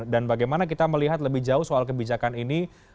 dan bagaimana kita melihat lebih jauh soal kebijakan ini